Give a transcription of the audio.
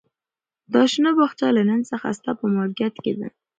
دا شنه باغچه له نن څخه ستا په ملکیت کې ده.